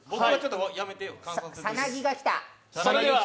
さなぎが来た。